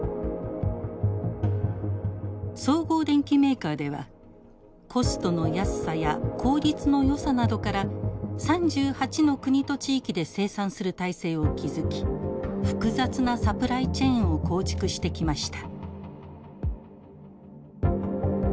総合電機メーカーではコストの安さや効率のよさなどから３８の国と地域で生産する体制を築き複雑なサプライチェーンを構築してきました。